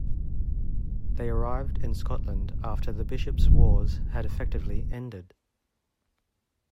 They arrived in Scotland after the Bishops' Wars had effectively ended.